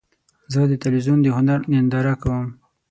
زه د تلویزیون د هنر ننداره کوم.